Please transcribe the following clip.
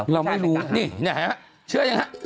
เราไม่รู้นี่เชื่อ๒๔ครับ